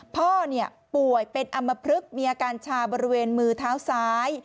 พ่อป่วยเป็นอำมพลึกมีอาการชาบริเวณมือเท้าซ้าย